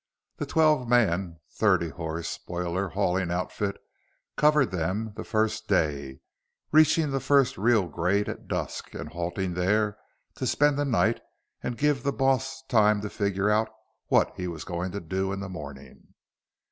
The twelve man, thirty horse boiler hauling outfit covered them the first day, reaching the first real grade at dusk and halting there to spend the night and give the boss time to figure out what he was going to do in the morning.